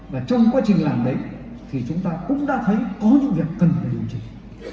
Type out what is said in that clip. và trong quá trình làm đấy thì chúng ta cũng đã thấy có những việc cần phải điều chỉnh